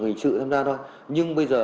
nhất và mang thêm b